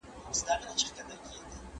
زموږ بزګران اوس استادان دي.